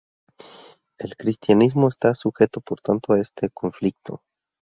El cristianismo está sujeto por tanto a este conflicto.